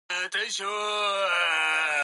終わりました。